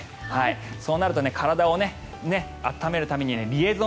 そうなると体を温めるためにリエゾン